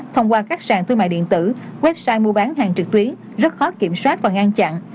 thông qua các sàn thương mại điện tử website mua bán hàng trực tuyến rất khó kiểm soát và ngăn chặn